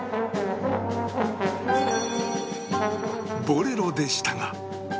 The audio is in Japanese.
『ボレロ』でしたが